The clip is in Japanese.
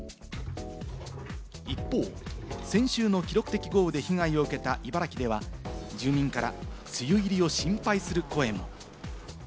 一方、先週の記録的豪雨で被害を受けた茨城では住民から梅雨入りを心配する声も。